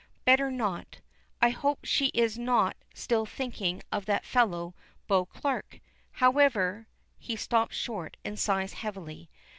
"Better not. I hope she is not still thinking of that fellow Beauclerk. However " he stops short and sighs heavily.